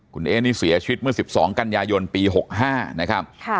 คุณเอ๊นี่เสียชีวิตเมื่อ๑๒กันยายนปี๖๕นะครับ